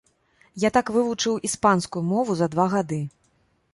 Я так вывучыў іспанскую мову за два гады.